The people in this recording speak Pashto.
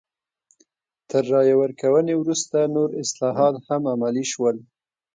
تر رایې ورکونې وروسته نور اصلاحات هم عملي شول.